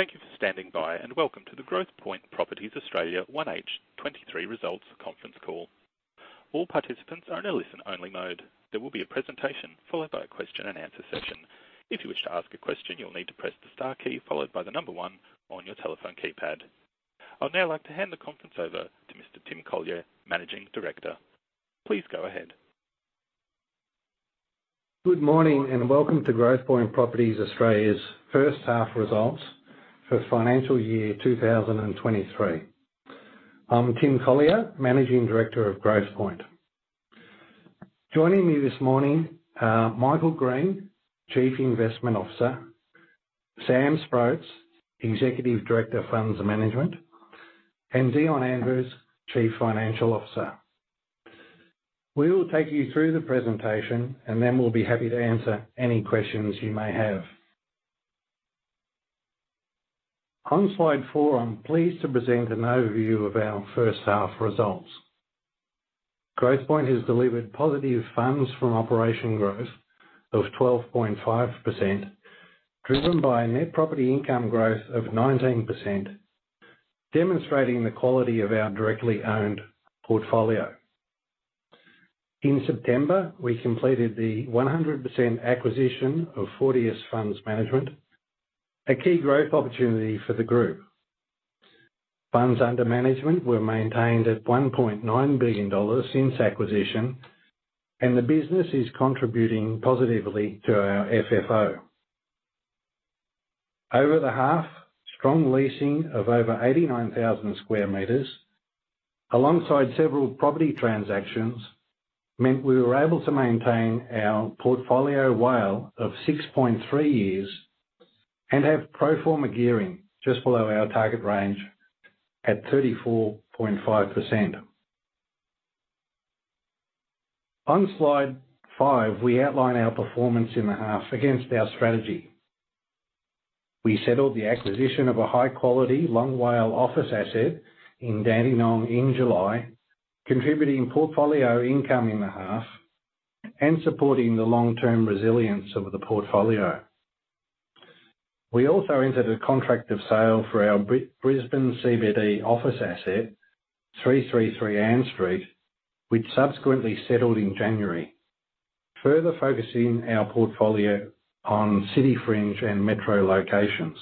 Thank you for standing by, and welcome to the Growthpoint Properties Australia 1H 2023 Results Conference Call. All participants are in a listen-only mode. There will be a presentation followed by a question-and-answer session. If you wish to ask a question, you will need to press the star key followed by the number one on your telephone keypad. I'd now like to hand the conference over to Mr. Tim Collyer, Managing Director. Please go ahead. Good morning, welcome to Growthpoint Properties Australia's first half results for financial year 2023. I'm Tim Collyer, Managing Director of Growthpoint. Joining me this morning are Michael Green, Chief Investment Officer, Sam Sproats, Executive Director of Funds Management, and Dion Andrews, Chief Financial Officer. We will take you through the presentation, then we'll be happy to answer any questions you may have. On slide four, I'm pleased to present an overview of our first half results. Growthpoint has delivered positive funds from operation growth of 12.5%, driven by net property income growth of 19%, demonstrating the quality of our directly-owned portfolio. In September, we completed the 100% acquisition of Fortius Funds Management, a key growth opportunity for the group. Funds under management were maintained at 1.9 billion dollars since acquisition. The business is contributing positively to our FFO. Over the half, strong leasing of over 89,000 square meters, alongside several property transactions, meant we were able to maintain our portfolio WALE of 6.3 years and have pro forma gearing just below our target range at 34.5%. On slide five, we outline our performance in the half against our strategy. We settled the acquisition of a high-quality, long WALE office asset in Dandenong in July, contributing portfolio income in the half and supporting the long-term resilience of the portfolio. We also entered a contract of sale for our Brisbane CBD office asset, 333 Ann Street, which subsequently settled in January, further focusing our portfolio on city fringe and metro locations.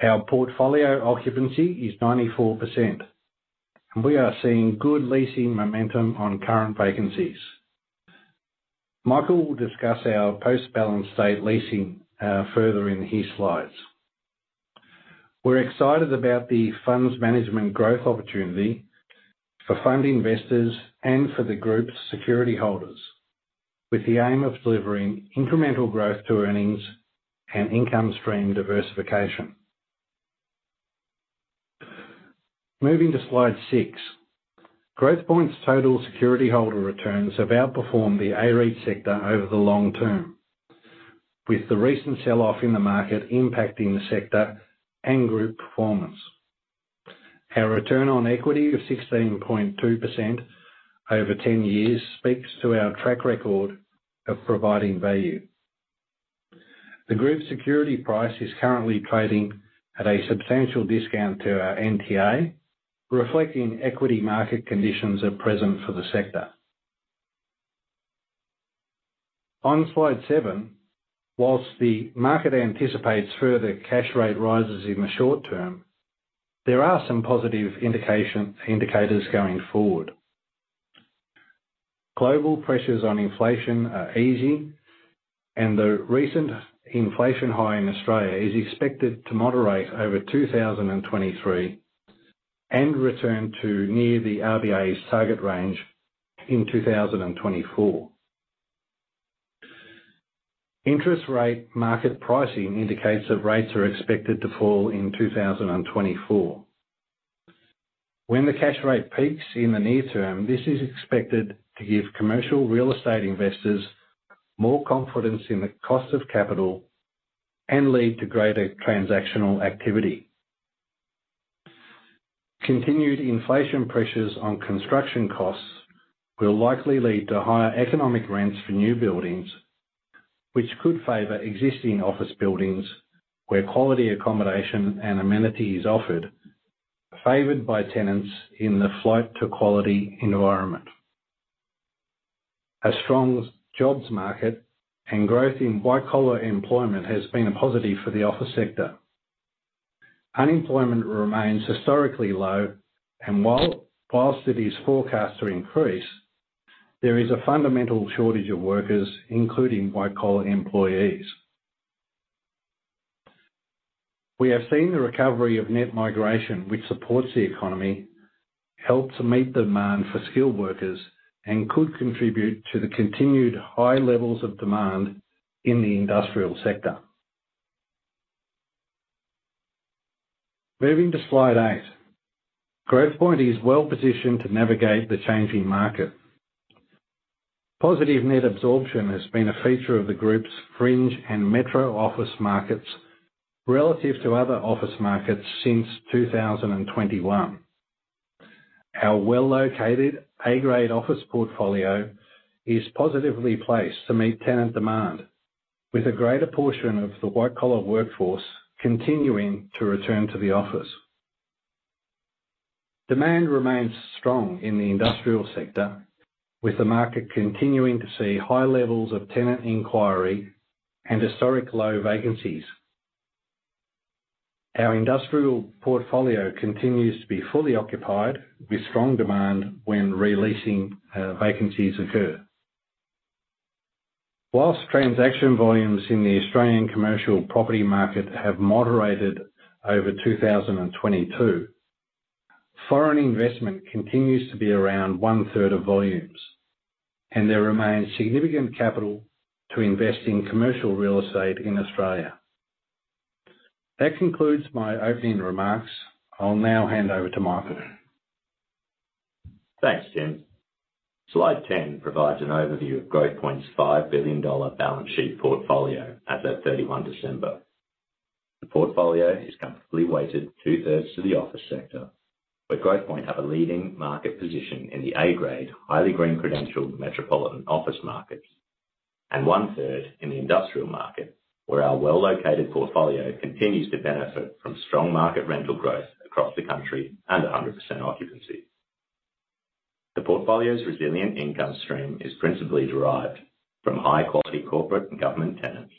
Our portfolio occupancy is 94%. We are seeing good leasing momentum on current vacancies. Michael will discuss our post-balance state leasing further in his slides. We're excited about the funds management growth opportunity for fund investors and for the group's security holders, with the aim of delivering incremental growth to earnings and income stream diversification. Moving to slide six. Growthpoint's total security holder returns have outperformed the AREIT sector over the long term, with the recent sell-off in the market impacting the sector and group performance. Our return on equity of 16.2% over 10 years speaks to our track record of providing value. The group security price is currently trading at a substantial discount to our NTA, reflecting equity market conditions at present for the sector. On slide seven, whilst the market anticipates further cash rate rises in the short term, there are some positive indicators going forward. Global pressures on inflation are easing, and the recent inflation high in Australia is expected to moderate over 2023 and return to near the RBA's target range in 2024. Interest rate market pricing indicates that rates are expected to fall in 2024. When the cash rate peaks in the near term, this is expected to give commercial real estate investors more confidence in the cost of capital and lead to greater transactional activity. Continued inflation pressures on construction costs will likely lead to higher economic rents for new buildings, which could favor existing office buildings where quality accommodation and amenity is offered, favored by tenants in the flight-to-quality environment. A strong jobs market and growth in white-collar employment has been a positive for the office sector. Unemployment remains historically low, whilst it is forecast to increase, there is a fundamental shortage of workers, including white-collar employees. We have seen the recovery of net migration, which supports the economy, help to meet demand for skilled workers and could contribute to the continued high levels of demand in the industrial sector. Moving to slide eight. Growthpoint is well-positioned to navigate the changing market. Positive net absorption has been a feature of the group's fringe and metro office markets relative to other office markets since 2021. Our well-located A-grade office portfolio is positively placed to meet tenant demand, with a greater portion of the white-collar workforce continuing to return to the office. Demand remains strong in the industrial sector, with the market continuing to see high levels of tenant inquiry and historic low vacancies. Our industrial portfolio continues to be fully occupied with strong demand when re-leasing vacancies occur. Whilst transaction volumes in the Australian commercial property market have moderated over 2022, foreign investment continues to be around 1/3 of volumes. There remains significant capital to invest in commercial real estate in Australia. That concludes my opening remarks. I'll now hand over to Michael. Thanks, Tim. Slide 10 provides an overview of Growthpoint's 5 billion dollar balance sheet portfolio as of 31 December. The portfolio is comfortably weighted 2/3 to the office sector, where Growthpoint have a leading market position in the A-grade, highly green-credentialed metropolitan office markets, and 1/3 in the industrial market, where our well-located portfolio continues to benefit from strong market rental growth across the country at 100% occupancy. The portfolio's resilient income stream is principally derived from high-quality corporate and government tenants.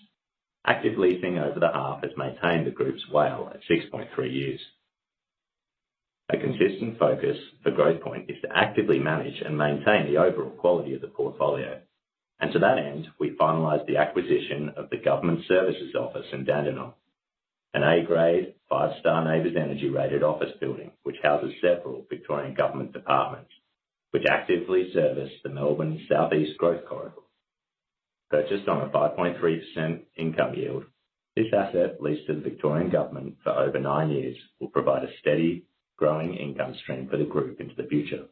Active leasing over the half has maintained the group's WALE at 6.3 years. A consistent focus for Growthpoint is to actively manage and maintain the overall quality of the portfolio. To that end, we finalized the acquisition of the government services office in Dandenong, an A-grade, five-star NABERS Energy-rated office building, which houses several Victorian Government departments, which actively service the Melbourne Southeast growth corridor. Purchased on a 5.3% income yield, this asset leased to the Victorian Government for over nine years, will provide a steady, growing income stream for the group into the future.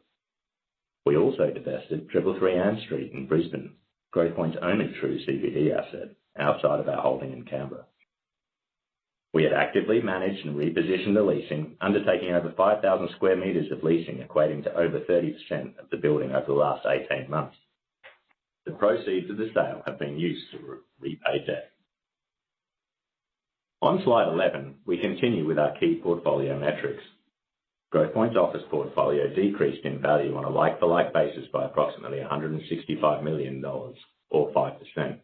We also divested 333 Ann Street in Brisbane, Growthpoint's only true CBD asset outside of our holding in Canberra. We had actively managed and repositioned the leasing, undertaking over 5,000 sq m of leasing, equating to over 30% of the building over the last 18 months. The proceeds of the sale have been used to repay debt. On slide 11, we continue with our key portfolio metrics. Growthpoint's office portfolio decreased in value on a like-for-like basis by approximately 165 million dollars or 5%.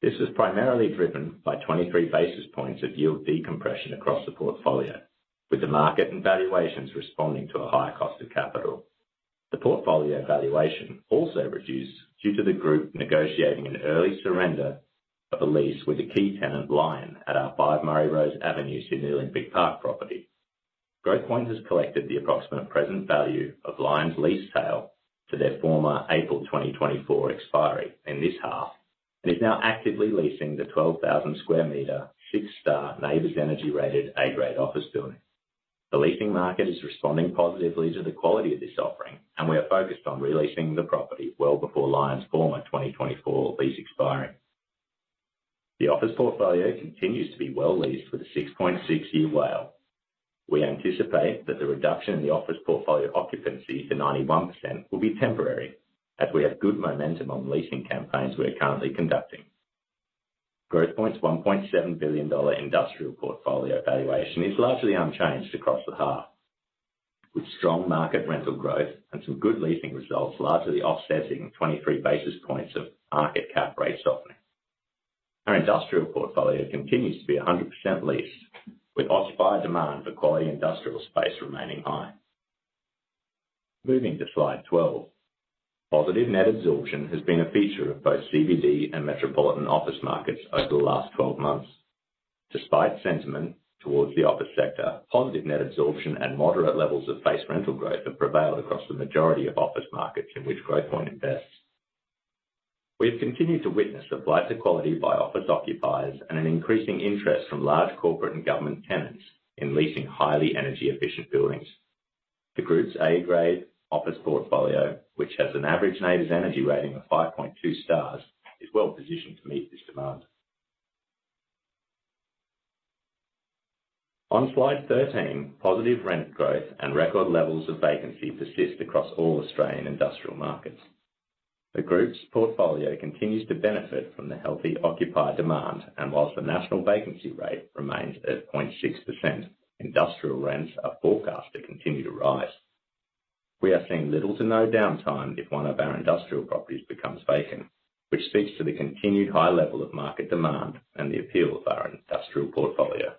This was primarily driven by 23 basis points of yield decompression across the portfolio, with the market and valuations responding to a higher cost of capital. The portfolio valuation also reduced due to the group negotiating an early surrender of a lease with a key tenant, Lion, at our 5 Murray Rose Avenue, Sydney Olympic Park property. Growthpoint has collected the approximate present value of Lion's lease sale to their former April 2024 expiry in this half, and is now actively leasing the 12,000 sq m, six-star NABERS-Energy-rated A-grade office building. The leasing market is responding positively to the quality of this offering, and we are focused on re-leasing the property well before Lion's former 2024 lease expiry. The office portfolio continues to be well leased with a 6.6-year WALE. We anticipate that the reduction in the office portfolio occupancy to 91% will be temporary, as we have good momentum on leasing campaigns we are currently conducting. Growthpoint's 1.7 billion dollar industrial portfolio valuation is largely unchanged across the half, with strong market rental growth and some good leasing results, largely offsetting 23 basis points of market cap rate softening. Our industrial portfolio continues to be 100% leased, with occupier demand for quality industrial space remaining high. Moving to slide 12. Positive net absorption has been a feature of both CBD and metropolitan office markets over the last 12 months. Despite sentiment towards the office sector, positive net absorption and moderate levels of base rental growth have prevailed across the majority of office markets in which Growthpoint invests. We have continued to witness a flight to quality by office occupiers and an increasing interest from large corporate and government tenants in leasing highly energy efficient buildings. The group's A-grade office portfolio, which has an average NABERS Energy rating of 5.2 stars, is well positioned to meet this demand. On slide 13, positive rent growth and record levels of vacancy persist across all Australian industrial markets. The group's portfolio continues to benefit from the healthy occupier demand, whilst the national vacancy rate remains at 0.6%, industrial rents are forecast to continue to rise. We are seeing little to no downtime if one of our industrial properties becomes vacant, which speaks to the continued high level of market demand and the appeal of our industrial portfolio.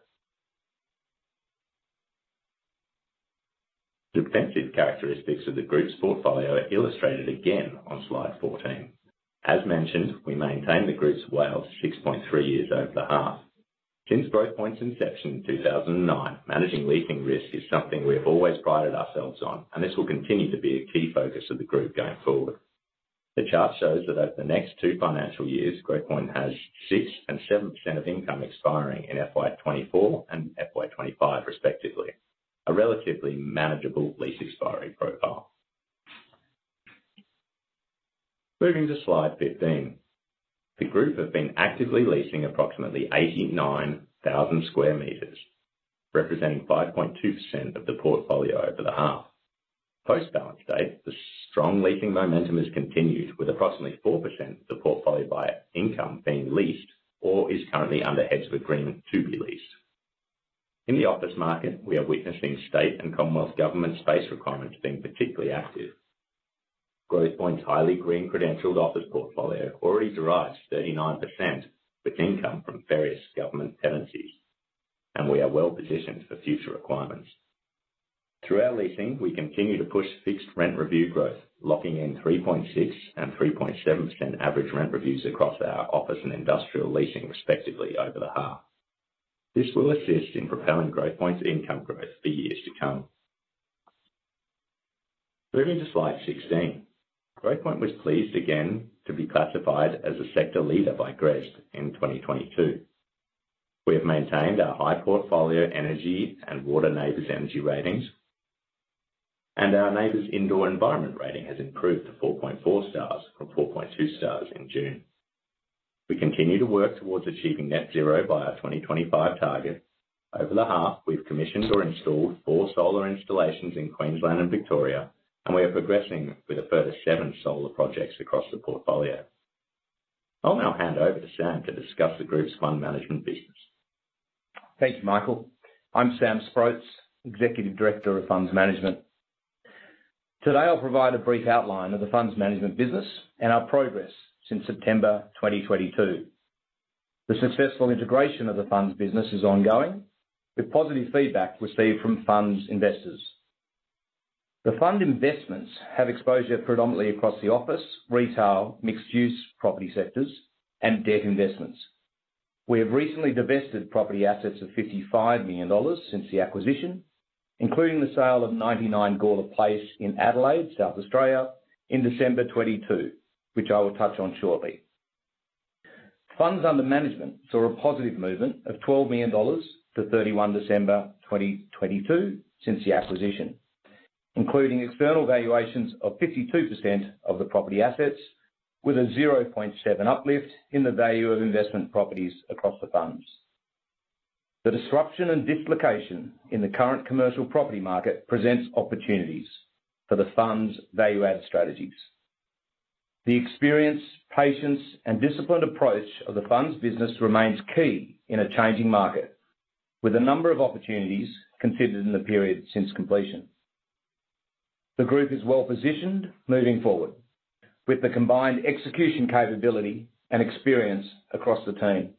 Defensive characteristics of the group's portfolio are illustrated again on slide 14. As mentioned, we maintain the group's WALE to 6.3 years over the half. Since Growthpoint's inception in 2009, managing leasing risk is something we have always prided ourselves on, and this will continue to be a key focus of the group going forward. The chart shows that over the next two financial years, Growthpoint has 6% and 7% of income expiring in FY 2024 and FY 2025 respectively, a relatively manageable lease expiry profile. Moving to slide 15. The group have been actively leasing approximately 89,000 sq m, representing 5.2% of the portfolio over the half. Post balance date, the strong leasing momentum has continued with approximately 4% of the portfolio by income being leased or is currently under heads of agreement to be leased. In the office market, we are witnessing state and Commonwealth government space requirements being particularly active. Growthpoint's highly green-credentialed office portfolio already derives 39% with income from various government tenancies, and we are well-positioned for future requirements. Through our leasing, we continue to push fixed rent review growth, locking in 3.6% and 3.7% average rent reviews across our office and industrial leasing, respectively, over the half. This will assist in propelling Growthpoint's income growth for years to come. Moving to slide 16. Growthpoint was pleased again to be classified as a sector leader by GRESB in 2022. We have maintained our high portfolio energy and water NABERS Energy Ratings, and our NABERS indoor environment rating has improved to 4.4 stars from 4.2 stars in June. We continue to work towards achieving net zero by our 2025 target. Over the half, we've commissioned or installed four solar installations in Queensland and Victoria. We are progressing with a further seven solar projects across the portfolio. I'll now hand over to Sam to discuss the group's fund management business. Thank you, Michael. I'm Sam Sproats, Executive Director of Funds Management. Today, I'll provide a brief outline of the funds management business and our progress since September 2022. The successful integration of the funds business is ongoing, with positive feedback received from funds investors. The fund investments have exposure predominantly across the office, retail, mixed-use property sectors, and debt investments. We have recently divested property assets of 55 million dollars since the acquisition, including the sale of 99 Gawler Place in Adelaide, South Australia in December 2022, which I will touch on shortly. Funds under management saw a positive movement of 12 million dollars to 31 December 2022 since the acquisition, including external valuations of 52% of the property assets with a 0.7 uplift in the value of investment properties across the funds. The disruption and dislocation in the current commercial property market presents opportunities for the fund's value-add strategies. The experience, patience, and disciplined approach of the funds business remains key in a changing market, with a number of opportunities considered in the period since completion. The group is well-positioned moving forward with the combined execution capability and experience across the team.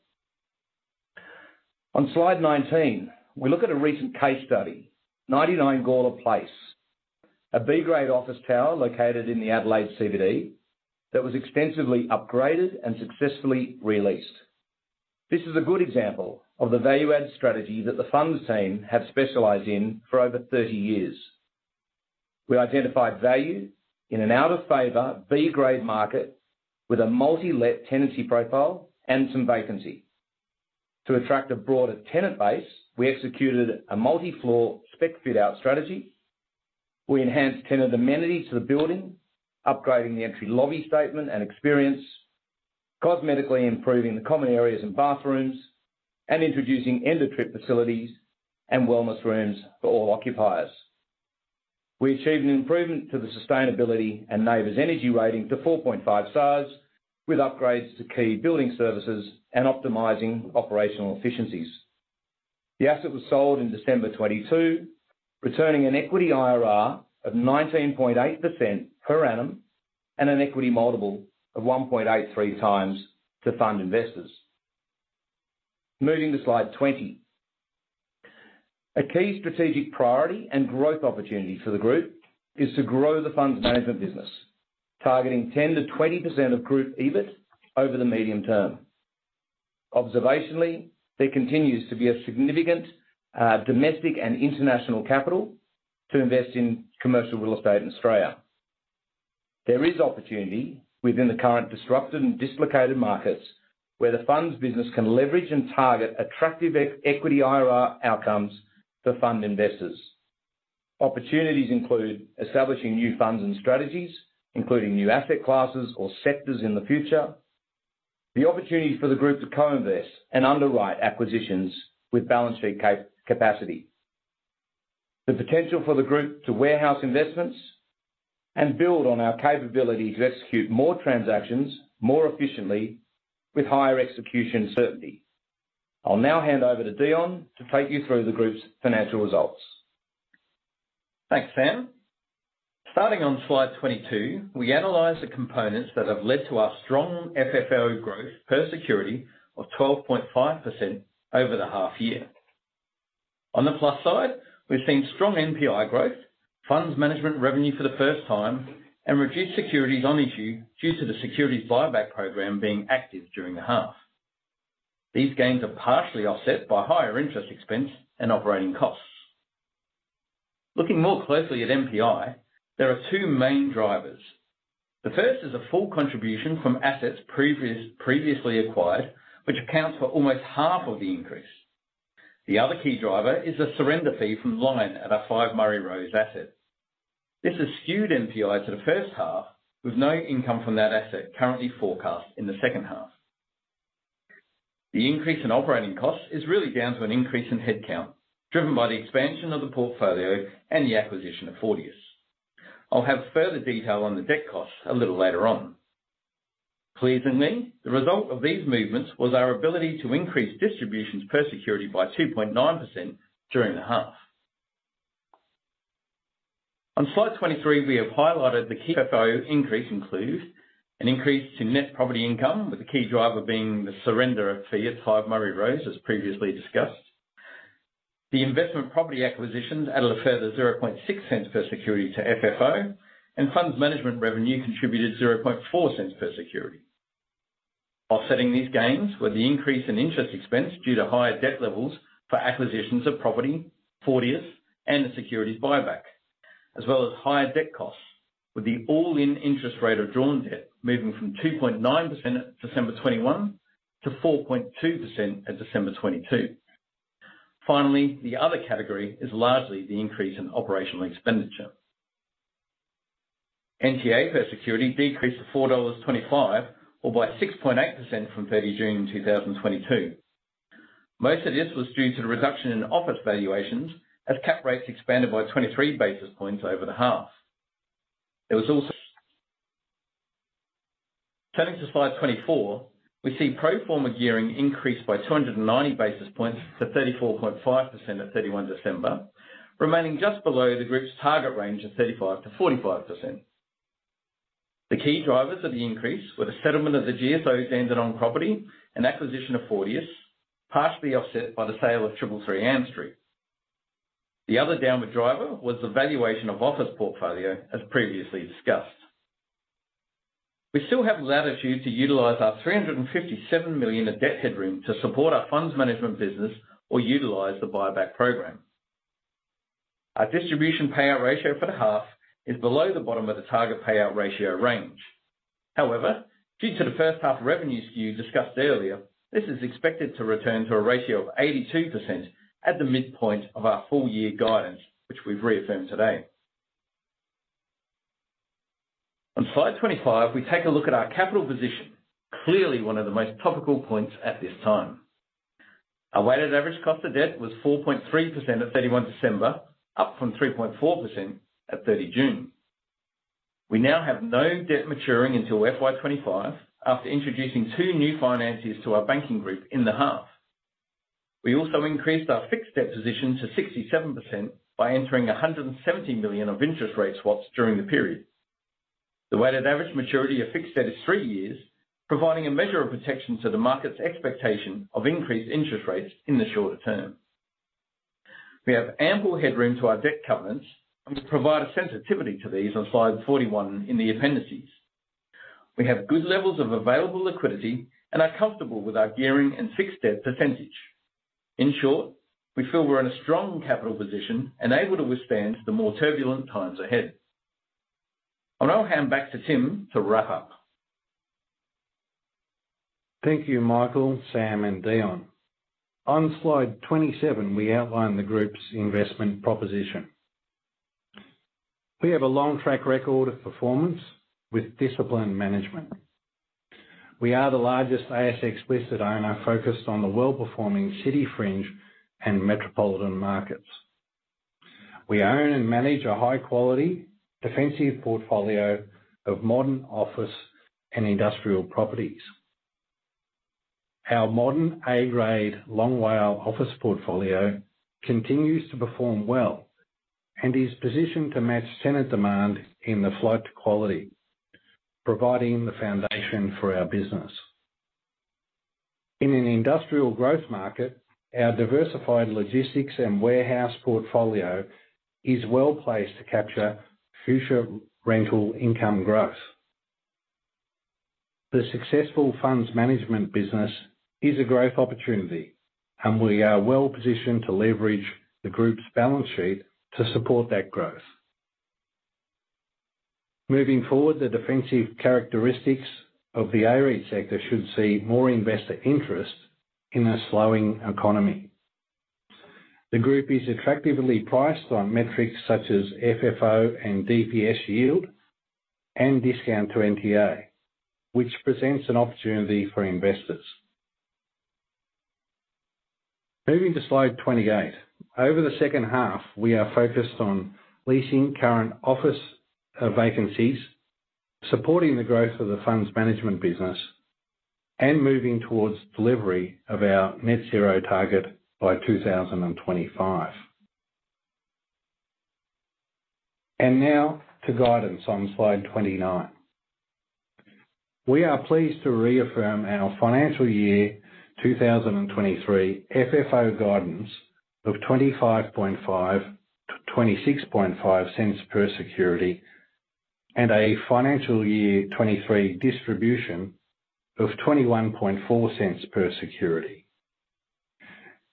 On slide 19, we look at a recent case study, 99 Gawler Place, a B-grade office tower located in the Adelaide CBD that was extensively upgraded and successfully re-leased. This is a good example of the value add strategy that the funds team have specialized in for over 30 years. We identified value in an out of favor B-grade market with a multi-let tenancy profile and some vacancy. To attract a broader tenant base, we executed a multi-floor spec fit-out strategy. We enhanced tenant amenities to the building, upgrading the entry lobby statement and experience, cosmetically improving the common areas and bathrooms, and introducing end-of-trip facilities and wellness rooms for all occupiers. We achieved an improvement to the sustainability and NABERS Energy Rating to 4.5 stars with upgrades to key building services and optimizing operational efficiencies. The asset was sold in December 2022, returning an equity IRR of 19.8% per annum and an equity multiple of 1.83x to fund investors. Moving to slide 20. A key strategic priority and growth opportunity for the group is to grow the funds management business, targeting 10%-20% of group EBIT over the medium term. Observationally, there continues to be a significant domestic and international capital to invest in commercial real estate in Australia. There is opportunity within the current disrupted and dislocated markets where the funds business can leverage and target attractive equity IRR outcomes for fund investors. Opportunities include establishing new funds and strategies, including new asset classes or sectors in the future. The opportunity for the group to co-invest and underwrite acquisitions with balance sheet capacity. The potential for the group to warehouse investments and build on our capability to execute more transactions more efficiently with higher execution certainty. I'll now hand over to Dion to take you through the group's financial results. Thanks, Sam. Starting on slide 22, we analyze the components that have led to our strong FFO growth per security of 12.5% over the half year. On the plus side, we've seen strong NPI growth, funds management revenue for the first time, and reduced securities on issue due to the securities buyback program being active during the half. These gains are partially offset by higher interest expense and operating costs. Looking more closely at NPI, there are two main drivers. The first is a full contribution from assets previously acquired, which accounts for almost half of the increase. The other key driver is a surrender fee from Lion at our 5 Murray Rose assets. This has skewed NPI to the first half, with no income from that asset currently forecast in the second half. The increase in operating costs is really down to an increase in headcount, driven by the expansion of the portfolio and the acquisition of Fortius. I'll have further detail on the debt costs a little later on. Pleasingly, the result of these movements was our ability to increase distributions per security by 2.9% during the half. On slide 23, we have highlighted the key FFO increase include an increase to net property income, with the key driver being the surrender of fee at 5 Murray Rose, as previously discussed. The investment property acquisitions added a further 0.006 per security to FFO, and funds management revenue contributed 0.004 per security. Offsetting these gains were the increase in interest expense due to higher debt levels for acquisitions of property, Fortius, and the securities buyback, as well as higher debt costs, with the all-in interest rate of drawn debt moving from 2.9% at December 2021 to 4.2% at December 2022. Finally, the other category is largely the increase in operational expenditure. NTA per security decreased to 4.25 dollars, or by 6.8% from 30 June 2022. Most of this was due to the reduction in office valuations as cap rates expanded by 23 basis points over the half. Turning to slide 24, we see pro forma gearing increased by 290 basis points to 34.5% at 31 December, remaining just below the group's target range of 35%-45%. The key drivers of the increase were the settlement of the GSO Dandenong property and acquisition of Fortius, partially offset by the sale of 333 Ann Street. The other downward driver was the valuation of office portfolio, as previously discussed. We still have latitude to utilize our 357 million in debt headroom to support our funds management business or utilize the buyback program. Our distribution payout ratio for the half is below the bottom of the target payout ratio range. However, due to the first half revenue skew discussed earlier, this is expected to return to a ratio of 82% at the midpoint of our full year guidance, which we've reaffirmed today. On slide 25, we take a look at our capital position, clearly one of the most topical points at this time. Our weighted average cost of debt was 4.3% at December 31, up from 3.4% at June 30. We now have no debt maturing until FY 2025 after introducing two new financiers to our banking group in the half. We also increased our fixed debt position to 67% by entering 170 million of interest rate swaps during the period. The weighted average maturity of fixed debt is three years, providing a measure of protection to the market's expectation of increased interest rates in the shorter term. We have ample headroom to our debt covenants. We provide a sensitivity to these on slide 41 in the appendices. We have good levels of available liquidity and are comfortable with our gearing and fixed debt percentage. In short, we feel we're in a strong capital position and able to withstand the more turbulent times ahead. I'll hand back to Tim to wrap up. Thank you, Michael, Sam, and Dion. On slide 27, we outline the group's investment proposition. We have a long track record of performance with disciplined management. We are the largest ASX-listed owner focused on the well-performing city fringe and metropolitan markets. We own and manage a high quality, defensive portfolio of modern office and industrial properties. Our modern A-grade, long-WALE office portfolio continues to perform well and is positioned to match tenant demand in the flight to quality, providing the foundation for our business. In an industrial growth market, our diversified logistics and warehouse portfolio is well-placed to capture future rental income growth. The successful funds management business is a growth opportunity, and we are well-positioned to leverage the group's balance sheet to support that growth. Moving forward, the defensive characteristics of the AREIT sector should see more investor interest in a slowing economy. The group is attractively priced on metrics such as FFO and DPS yield and discount to NTA, which presents an opportunity for investors. Moving to slide 28. Over the second half, we are focused on leasing current office vacancies, supporting the growth of the funds management business, and moving towards delivery of our net zero target by 2025. Now to guidance on slide 29. We are pleased to reaffirm our financial year 2023 FFO guidance of 0.255-0.265 per security and a financial year 2023 distribution of 0.214 per security.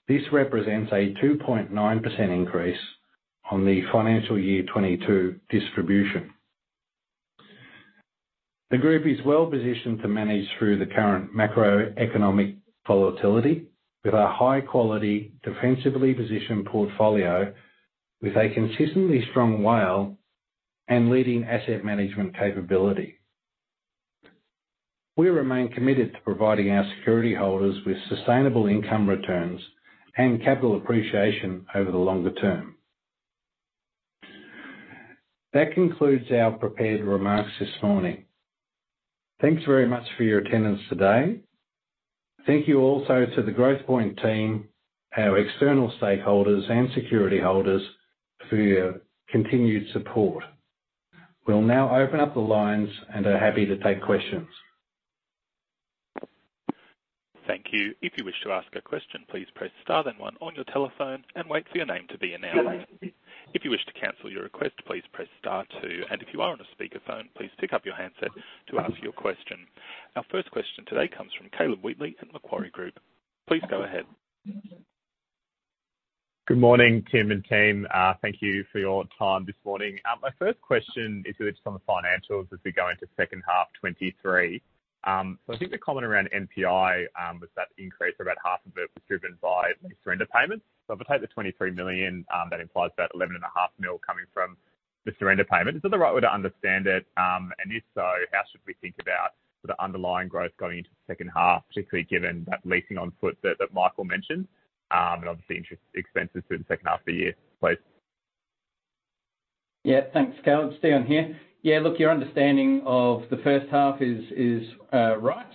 This represents a 2.9% increase on the financial year 2022 distribution. The group is well-positioned to manage through the current macroeconomic volatility with our high quality, defensibly-positioned portfolio, with a consistently strong WALE and leading asset management capability. We remain committed to providing our security holders with sustainable income returns and capital appreciation over the longer term. That concludes our prepared remarks this morning. Thanks very much for your attendance today. Thank you also to the Growthpoint team, our external stakeholders, and security holders for your continued support. We'll now open up the lines and are happy to take questions. Thank you. If you wish to ask a question, please press star then one on your telephone and wait for your name to be announced. If you wish to cancel your request, please press star two, and if you are on a speakerphone, please pick up your handset to ask your question. Our first question today comes from Caleb Wheatley at Macquarie Group. Please go ahead. Good morning, Tim and team. Thank you for your time this morning. My first question is really just on the financials as we go into second half 2023. I think the comment around NPI was that increase, about half of it was driven by surrender payments. If I take the 23 million, that implies about 11.5 million coming from the surrender payment. Is that the right way to understand it? If so, how should we think about the underlying growth going into the second half, particularly given that leasing on foot that Michael mentioned, and obviously interest expenses through the second half of the year, please? Thanks, Caleb. Dion here. Your understanding of the first half is right.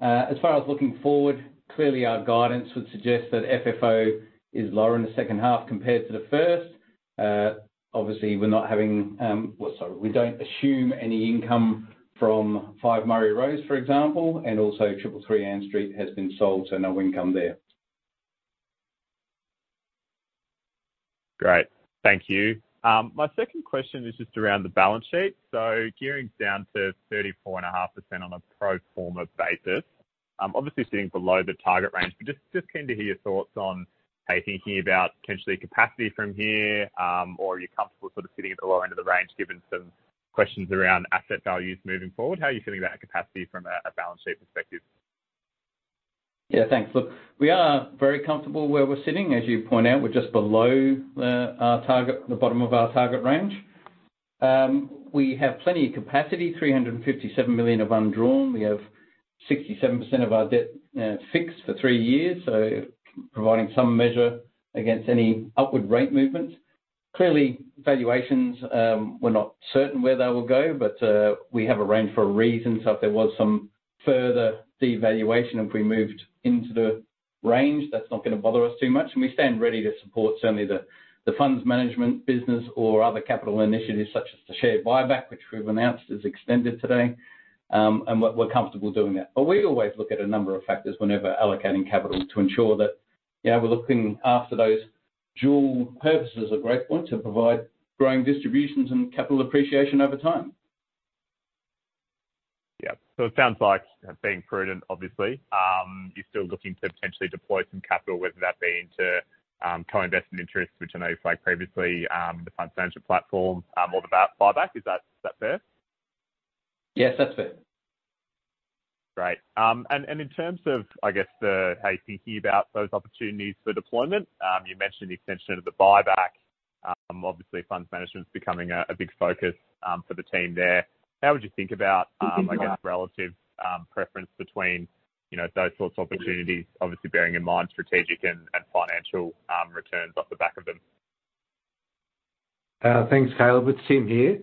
As far as looking forward, clearly, our guidance would suggest that FFO is lower in the second half compared to the first. Obviously, we're not having, well, sorry, we don't assume any income from 5 Murray Rose, for example, and also 333 Ann Street has been sold, so no income there. Great. Thank you. My second question is just around the balance sheet. Gearing's down to 34.5% on a pro forma basis. Obviously, sitting below the target range, but just keen to hear your thoughts on how you're thinking about potentially capacity from here, or are you comfortable sort of sitting at the lower end of the range given some questions around asset values moving forward? How are you feeling about capacity from a balance sheet perspective? Yeah, thanks. Look, we are very comfortable where we're sitting. As you point out, we're just below our target, the bottom of our target range. We have plenty of capacity, 357 million of undrawn. We have 67% of our debt fixed for three years, providing some measure against any upward rate movements. Clearly, valuations, we're not certain where they will go, we have a range for a reason. If there was some further devaluation, if we moved into the range, that's not gonna bother us too much, and we stand ready to support certainly the funds management business or other capital initiatives such as the share buyback, which we've announced is extended today. We're comfortable doing that. We always look at a number of factors whenever allocating capital to ensure that, yeah, we're looking after those dual purposes of Growthpoint to provide growing distributions and capital appreciation over time. Yeah. It sounds like being prudent, obviously. You're still looking to potentially deploy some capital, whether that be into co-investment interests, which I know you've liked previously, the fund management platform, or the buyback. Is that fair? Yes, that's fair. Great. And in terms of, I guess, the, how you're thinking about those opportunities for deployment, you mentioned the extension of the buyback. Obviously, funds management is becoming a big focus for the team there. How would you think about, I guess, relative preference between, you know, those sorts of opportunities, obviously bearing in mind strategic and financial returns off the back of them? Thanks, Caleb. It's Tim here.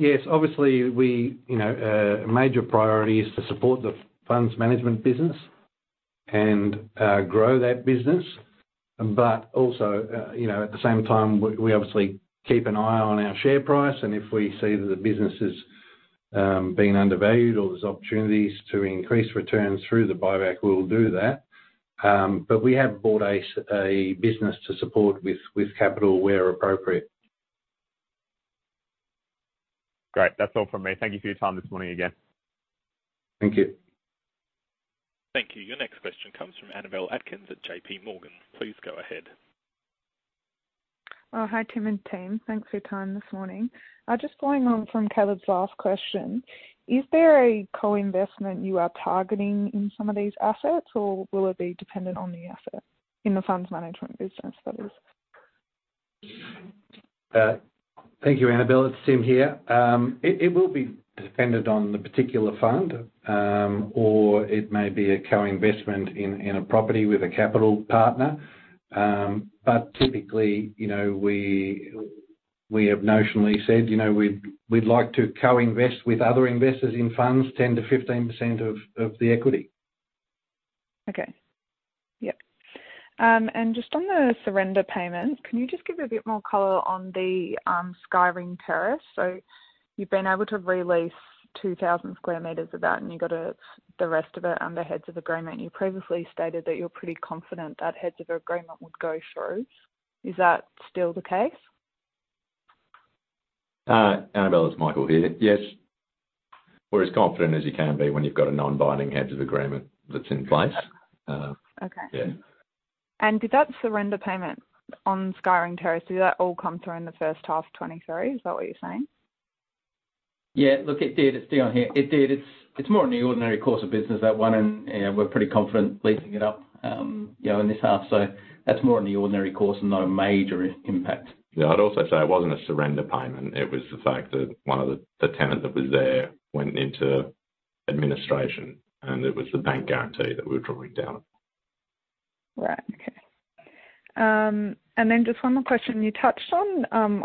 Yes, obviously, we, you know, a major priority is to support the funds management business and grow that business. Also, you know, at the same time, we obviously keep an eye on our share price, and if we see that the business is being undervalued or there's opportunities to increase returns through the buyback, we'll do that. We have bought a business to support with capital where appropriate. Great. That's all from me. Thank you for your time this morning again. Thank you. Thank you. Your next question comes from Annabelle Atkins at JPMorgan. Please go ahead. Hi, Tim and team. Thanks for your time this morning. Just following on from Caleb's last question, is there a co-investment you are targeting in some of these assets, or will it be dependent on the asset, in the funds management business, that is? Thank you, Annabel. It's Tim here. It will be dependent on the particular fund, or it may be a co-investment in a property with a capital partner. Typically, you know, we have notionally said, you know, we'd like to co-invest with other investors in funds 10%-15% of the equity. Okay. Yep. Just on the surrender payment, can you just give a bit more color on the Skyring Terrace? You've been able to re-lease 2,000 sq m of that, you got it, the rest of it under heads of agreement. You previously stated that you're pretty confident that heads of agreement would go through. Is that still the case? Annabel, it's Michael here. Yes. We're as confident as you can be when you've got a non-binding heads of agreement that's in place. Okay. Yeah. Did that surrender payment on Skyring Terrace, did that all come through in the first half 2023? Is that what you're saying? Yeah. Look, it did. It's Dion here. It did. It's more in the ordinary course of business, that one, and, you know, we're pretty confident leasing it up, you know, in this half. That's more in the ordinary course and not a major impact. Yeah, I'd also say it wasn't a surrender payment. It was the fact that the tenant that was there went into administration. It was the bank guarantee that we were drawing down. Right. Okay. Just one more question. You touched on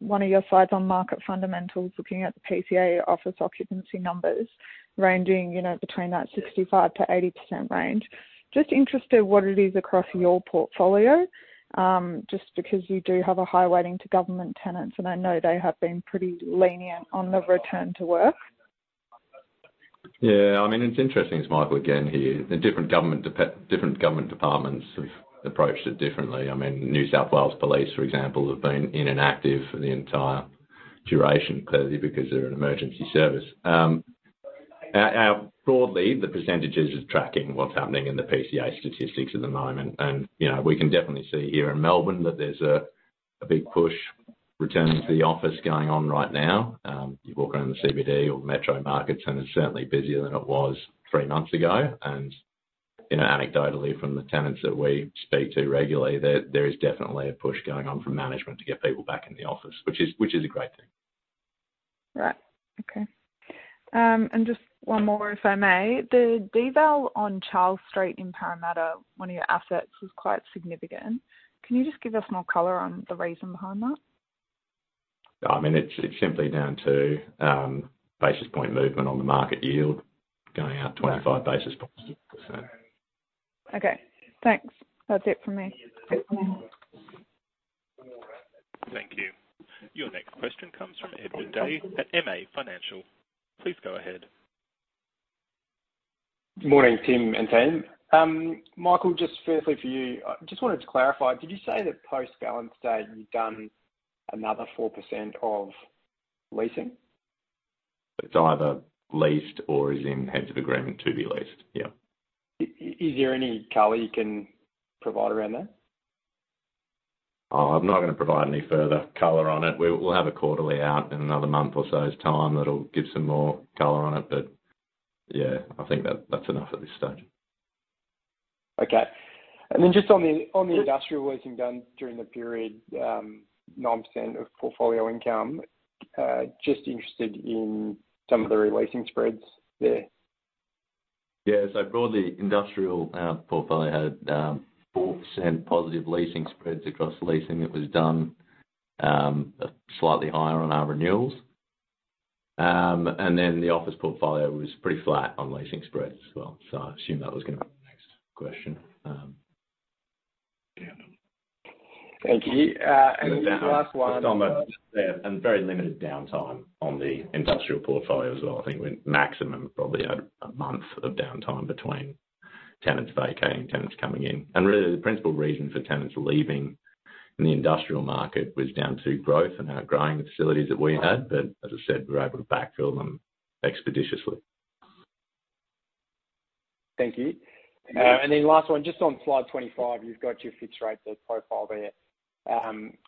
one of your slides on market fundamentals, looking at the PCA office occupancy numbers ranging, you know, between that 65%-80% range. Just interested what it is across your portfolio, just because you do have a high weighting to government tenants, and I know they have been pretty lenient on the return to work. Yeah. I mean, it's interesting. It's Michael again here. The different government departments have approached it differently. I mean, New South Wales Police, for example, have been in and active for the entire duration, clearly because they're an emergency service. Our broadly, the percentages are tracking what's happening in the PCA statistics at the moment. You know, we can definitely see here in Melbourne that there's a big push return to the office going on right now. You walk around the CBD or metro markets, and it's certainly busier than it was three months ago. You know, anecdotally from the tenants that we speak to regularly, there is definitely a push going on from management to get people back in the office, which is a great thing. Right. Okay. Just one more, if I may. The deval on Charles Street in Parramatta, one of your assets, was quite significant. Can you just give us more color on the reason behind that? I mean, it's simply down to basis point movement on the market yield going up 25 basis points Okay, thanks. That's it from me. Thank you. Your next question comes from Edward Day at MA Financial. Please go ahead. Morning, Tim and team. Michael, just firstly for you, I just wanted to clarify, did you say that post balance date, you've done another 4% of leasing? It's either leased or is in heads of agreement to be leased, yeah. Is there any color you can provide around that? I'm not gonna provide any further color on it. We'll have a quarterly out in another month or so's time that'll give some more color on it. Yeah, I think that's enough at this stage. Okay. Just on the industrial leasing done during the period, 9% of portfolio income, just interested in some of the re-leasing spreads there. Broadly, industrial portfolio had 4% positive leasing spreads across leasing that was done, slightly higher on our renewals. The office portfolio was pretty flat on leasing spreads as well. I assume that was gonna be the next question. Thank you. Then the last one- Very limited downtime on the industrial portfolio as well. I think maximum probably had a month of downtime between tenants vacating, tenants coming in. Really the principal reason for tenants leaving in the industrial market was down to growth and our growing facilities that we had. As I said, we were able to backfill them expeditiously. Thank you. Last one, just on slide 25, you've got your fixed rate, the profile there.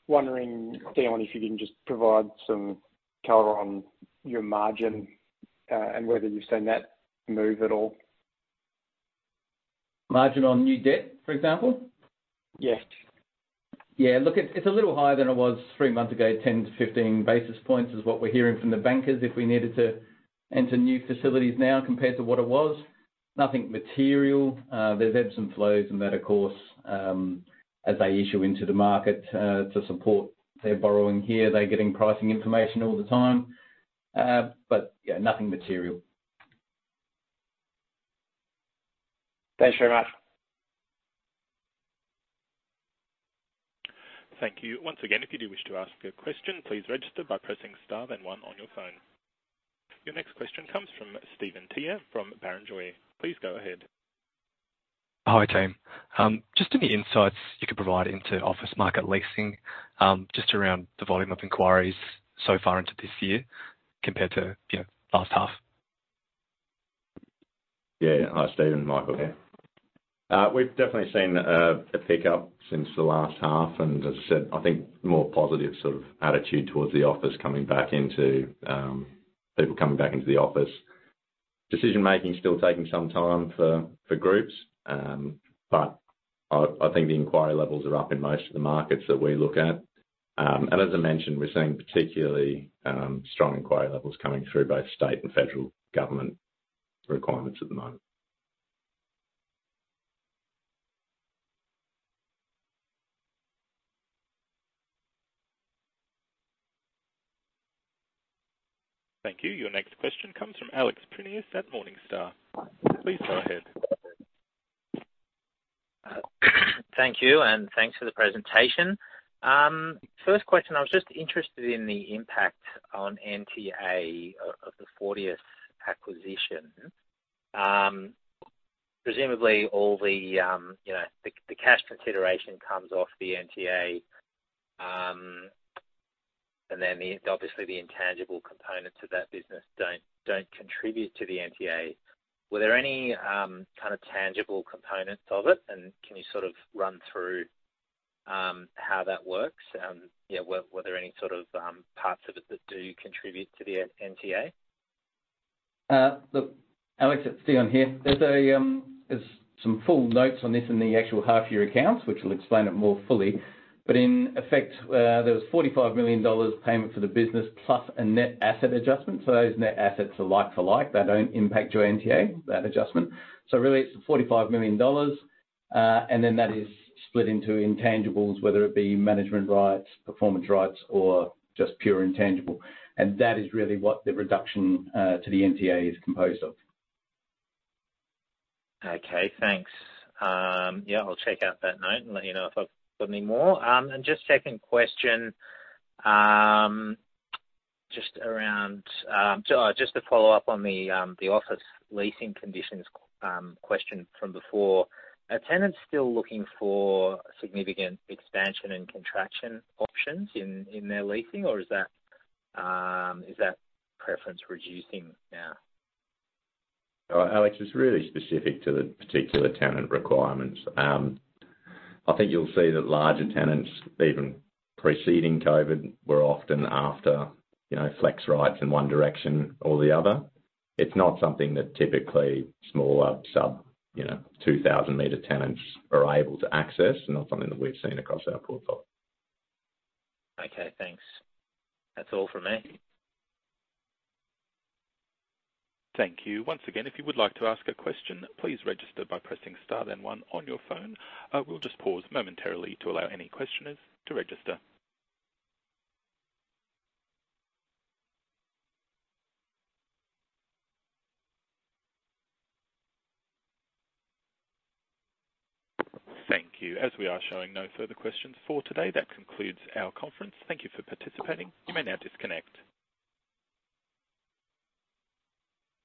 Wondering, Dion, if you can just provide some color on your margin, and whether you've seen that move at all? Margin on new debt, for example? Yes. Yeah. Look, it's a little higher than it was three months ago. 10 to 15 basis points is what we're hearing from the bankers if we needed to enter new facilities now compared to what it was. Nothing material. There's ebbs and flows in that, of course, as they issue into the market to support their borrowing here. They're getting pricing information all the time. Yeah, nothing material. Thanks very much. Thank you. Once again, if you do wish to ask a question, please register by pressing star then one on your phone. Your next question comes from Steven Tjia from Barrenjoey. Please go ahead. Hi, team. Just any insights you could provide into office market leasing, just around the volume of inquiries so far into this year compared to, you know, last half? Hi, Steven. Michael here. We've definitely seen a pickup since the last half, and as I said, I think more positive sort of attitude towards the office coming back into— people coming back into the office. Decision-making is still taking some time for groups. I think the inquiry levels are up in most of the markets that we look at. As I mentioned, we're seeing particularly strong inquiry levels coming through both state and federal government requirements at the moment. Thank you. Your next question comes from Alex Prineas at Morningstar. Please go ahead. Thank you. Thanks for the presentation. First question, I was just interested in the impact on NTA of the Fortius acquisition. Presumably all the, you know, the cash consideration comes off the NTA. The, obviously the intangible components of that business don't contribute to the NTA. Were there any kind of tangible components of it? Can you sort of run through how that works and, yeah, were there any sort of parts of it that do contribute to the NTA? Look, Alex, it's Dion here. There's a, there's some full notes on this in the actual half-year accounts, which will explain it more fully. In effect, there was 45 million dollars payment for the business plus a net asset adjustment. Those net assets are like-for-like, they don't impact your NTA, that adjustment. Really it's the 45 million dollars, that is split into intangibles, whether it be management rights, performance rights or just pure intangible. That is really what the reduction to the NTA is composed of. Okay, thanks. Yeah, I'll check out that note and let you know if I've got any more. Just second question, just around, so, just to follow up on the office leasing conditions question from before. Are tenants still looking for significant expansion and contraction options in their leasing, or is that preference reducing now? Alex, it's really specific to the particular tenant requirements. I think you'll see that larger tenants, even preceding COVID, were often after, you know, flex rights in one direction or the other. It's not something that typically smaller sub, you know, 2,000-m tenants are able to access, not something that we've seen across our portfolio. Okay, thanks. That's all from me. Thank you. Once again, if you would like to ask a question, please register by pressing star then one on your phone. We'll just pause momentarily to allow any questioners to register. Thank you. As we are showing no further questions for today, that concludes our conference. Thank you for participating. You may now disconnect.